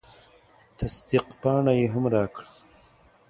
تصدیق پاڼه یې هم راکړه.